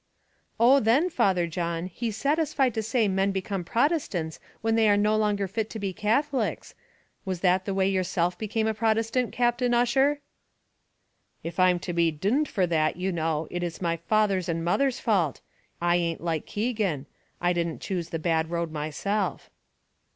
"Oh then, Father John, he's satisfied to say men become Protestants when they are no longer fit to be Catholics; was that the way yourself become a Protestant, Captain Ussher?" "If I'm to be d d for that, you know, it's my father's and mother's fault. I ain't like Keegan. I didn't choose the bad road myself."